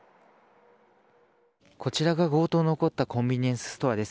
こちらが強盗の起こったコンビニエンスストアです。